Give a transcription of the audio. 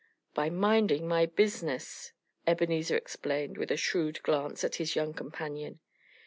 "By minding my business," Ebenezer explained with a shrewd glance at his young companion.